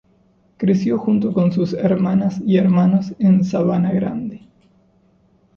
Creció junto con sus hermanas y hermanos en Sabana Grande.